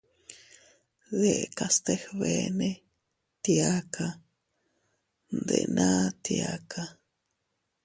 Dekas teg beene, tiaka, ndena tiaka.